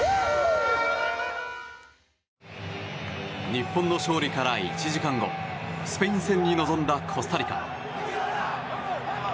日本の勝利から１時間後スペイン戦に臨んだコスタリカ。